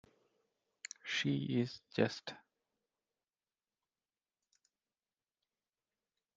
She is just.